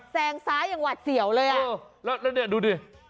แซงซ้ายอย่างหวัดเสี่ยวเลยอ่ะเออแล้วแล้วเนี่ยดูดิ